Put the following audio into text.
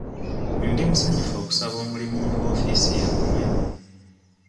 Ndi musanyufu okusaba omulimu mu woofiisi yammwe.